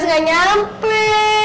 sms gak nyampe